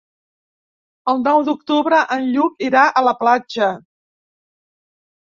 El nou d'octubre en Lluc irà a la platja.